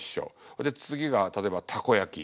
それで次が例えばたこ焼き。